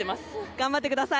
頑張ってください。